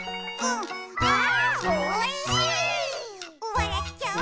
「わらっちゃう」